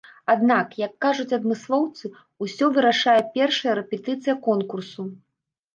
Аднак, як кажуць адмыслоўцы, усё вырашае першая рэпетыцыя конкурсу.